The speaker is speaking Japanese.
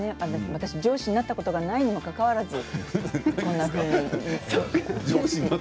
私は上司になったことがないにもかかわらずこんなふうに。